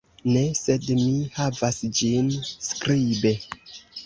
Ne, sed mi havas ĝin skribe.